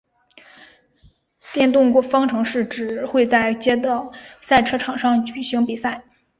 电动方程式只会在街道赛车场上举行比赛。